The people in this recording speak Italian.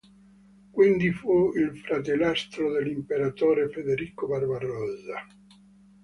Quindi fu il fratellastro dell'imperatore, Federico Barbarossa.